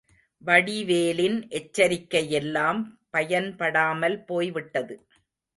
வடிவேலின் எச்சரிக்கையெல்லாம் பயன்படாமல் போய்விட்டது.